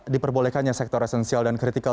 diperbolehkannya sektor esensial dan kritikal